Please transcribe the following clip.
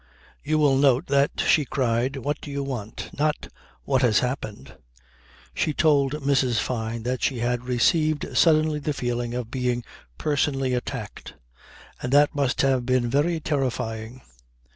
You will note that she cried: What do you want? Not: What has happened? She told Mrs. Fyne that she had received suddenly the feeling of being personally attacked. And that must have been very terrifying.